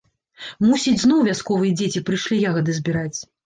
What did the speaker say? Мусіць, зноў вясковыя дзеці прыйшлі ягады збіраць.